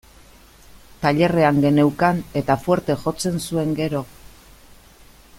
Tailerrean geneukan, eta fuerte jotzen zuen, gero.